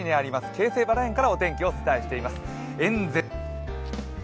京成バラ園からお天気をお伝えしています。